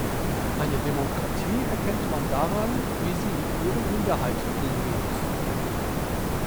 Eine Demokratie erkennt man daran, wie sie mit ihren Minderheiten umgeht.